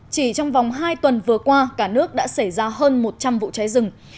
chỉ trong vòng hai tuần vừa qua cả nước đã xảy ra hơn một trăm linh vụ cháy rừng